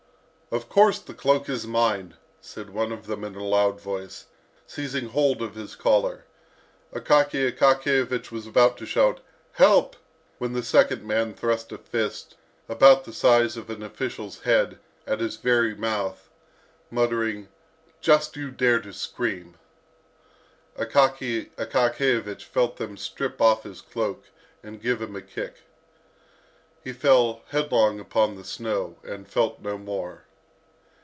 "Of course, the cloak is mine!" said one of them in a loud voice, seizing hold of his collar. Akaky Akakiyevich was about to shout "Help!" when the second man thrust a fist, about the size of an official's head, at his very mouth, muttering, "Just you dare to scream!" Akaky Akakiyevich felt them strip off his cloak, and give him a kick. He fell headlong upon the snow, and felt no more.